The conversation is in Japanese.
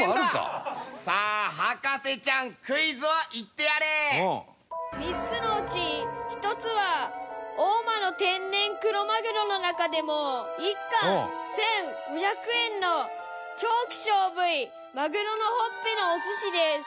さあ博士ちゃん３つのうち１つは大間の天然クロマグロの中でも１貫１５００円の超希少部位マグロのほっぺのお寿司です。